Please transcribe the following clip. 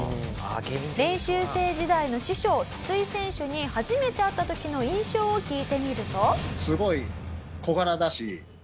練習生時代の師匠筒井選手に初めて会った時の印象を聞いてみると。